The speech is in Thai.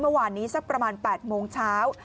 เมื่อวานนี้สักประมาณ๘โมงเช้า